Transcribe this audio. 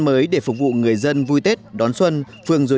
mới để phục vụ người dân vui tết đón xuân